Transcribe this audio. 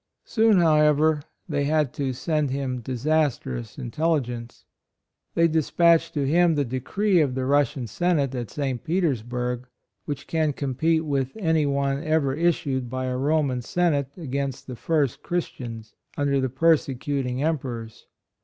Soon, however, they had to send him disastrous intelli gence. They dispatched to him the Decree of the Russian Senate at St. Petersburgh, which can compete with any one ever issued by a Ro man Senate against the first Chris tians, under the persecuting Empe rors.